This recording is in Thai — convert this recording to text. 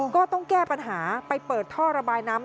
ก็ต้องแก้ปัญหาไปเปิดท่อระบายน้ำ